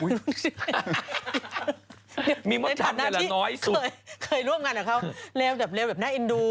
ในฐานะที่เคยร่วมงานกับเขาร้อนดำแบบเท่าไหร่ร้อนดำแบบน่าเอ็นดู